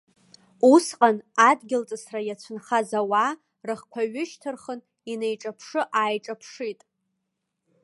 Усҟан, адгьылҵысра иацәынхаз ауаа рыхқәа ҩышьҭырхын, инеиҿаԥшы-ааиҿаԥшит.